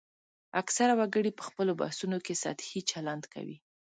اکثره وګړي په خپلو بحثونو کې سطحي چلند کوي